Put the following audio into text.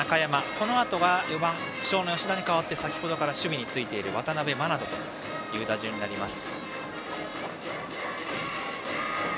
このあとは４番負傷の吉田に代わって先程から守備についている渡辺眞翔という打順になります。